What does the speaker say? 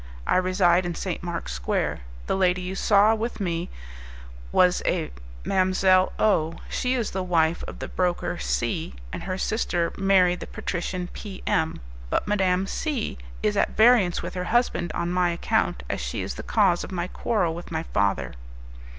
I reside in St. Mark's Square. The lady you saw with me was a Mdlle. O ; she is the wife of the broker C , and her sister married the patrician P M . But Madame C is at variance with her husband on my account, as she is the cause of my quarrel with my father.